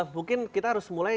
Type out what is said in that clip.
mungkin kita harus mulai